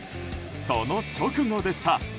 その直後でした。